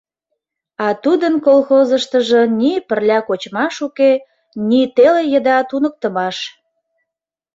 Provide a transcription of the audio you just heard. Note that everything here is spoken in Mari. А тудын колхозыштыжо ни пырля кочмаш уке, ни теле еда туныктымаш...